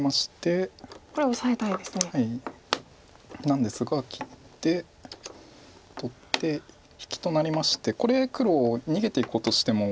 なんですが切って取って引きとなりましてこれ黒逃げていこうとしても。